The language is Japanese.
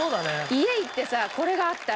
家行ってさこれがあったら。